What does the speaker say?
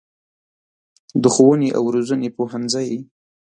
د ښوونې او روزنې پوهنځی